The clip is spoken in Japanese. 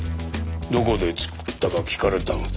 どこで作ったか訊かれたので。